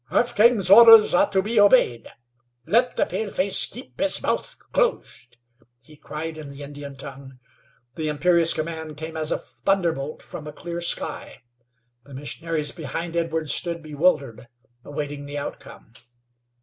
"Half King's orders are to be obeyed. Let the paleface keep his mouth closed," he cried in the Indian tongue. The imperious command came as a thunderbolt from a clear sky. The missionaries behind Edwards stood bewildered, awaiting the outcome.